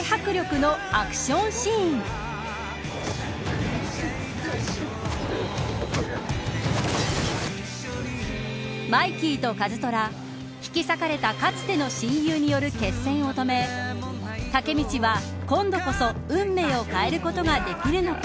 今作品で注目なのは廃車場でのマイキーと一虎引き裂かれたかつての親友による決戦を止めタケミチは今度こそ運命を変えることができるのか。